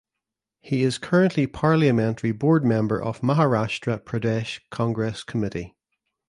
He is currently Parliamentary Board Member of Maharashtra Pradesh Congress Committee.